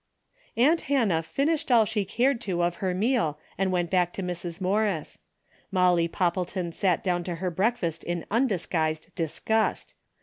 Aunt Hannah finished all she cared to of her meal and went back to Mrs. Morris. Molly Poppleton sat down to her breakfast in undisguised disgust.